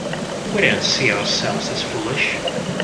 We don't see ourselves as foolish.